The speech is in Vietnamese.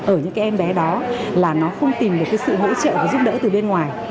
ở những em bé đó là nó không tìm được sự hỗ trợ và giúp đỡ từ bên ngoài